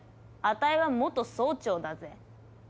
あたいは元総長だぜ。